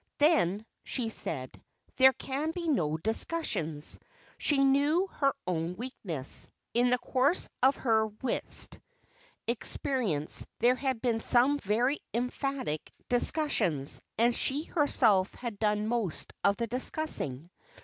"Then," she said, "there can be no discussions." She knew her own weakness. In the course of her whist 201 202 STORIES WITHOUT TEARS experience there had been some very emphatic discus sions, and she herself had done most of the discussing.